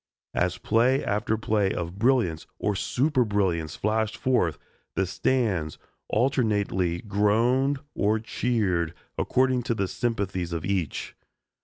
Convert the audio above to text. As play after play of brilliance or superbrilliance flashed forth, the stands alternately groaned or cheered, according to the sympathies of each.